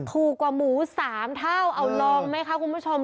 ถูกกว่าหมู๓เท่าเอาลองไหมคะคุณผู้ชม